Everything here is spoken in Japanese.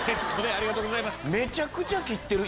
ありがとうございます。